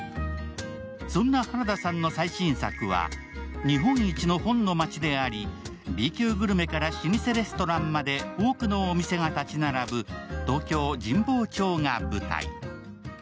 そんな原田さんの最新作は、日本一の本の街であり、Ｂ級グルメから老舗レストランまで多くのお店が立ち並ぶ東京・神保町が舞台。